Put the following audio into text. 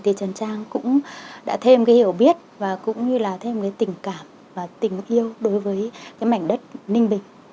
thì trần trang cũng đã thêm hiểu biết và cũng như là thêm tình cảm và tình yêu đối với mảnh đất ninh bình